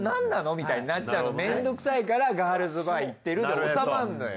みたいになっちゃうの面倒くさいからガールズバー行ってるで収まるのよ。